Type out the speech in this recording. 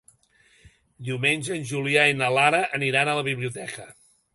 Diumenge en Julià i na Lara aniran a la biblioteca.